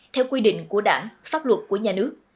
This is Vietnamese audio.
theo quy định của đảng pháp luật của nhà nước